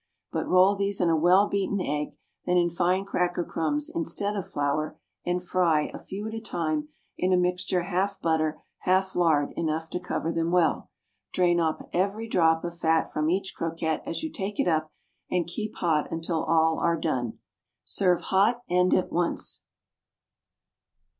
But roll these in a well beaten egg, then in fine cracker crumbs instead of flour, and fry, a few at a time, in a mixture half butter, half lard enough to cover them well. Drain off every drop of fat from each croquette as you take it up, and keep hot until all are done. Serve hot and at once.